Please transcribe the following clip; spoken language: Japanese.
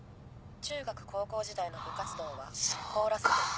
中学・高校時代の部活動はコーラス部。